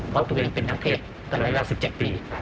เพราะตัวเองเป็นนั้นเทศตั้งแต่รายละ๑๗ปี